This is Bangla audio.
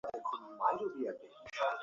নিজেদের ইচ্ছের অধীনে থাকতে চায়!